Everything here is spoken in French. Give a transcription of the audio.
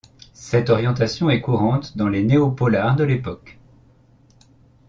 Cette orientation est courante dans les néo-polars de l’époque.